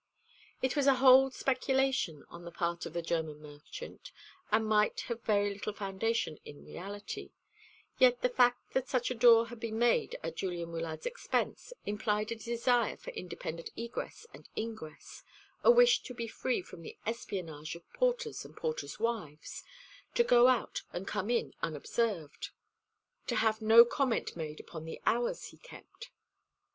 It was a bold speculation on the part of the German merchant, and might have very little foundation in reality: yet the fact that such a side door had been made at Julian Wyllard's expense implied a desire for independent egress and ingress, a wish to be free from the espionage of porters and porters' wives, to go out and come in unobserved, to have no comment made upon the hours he kept.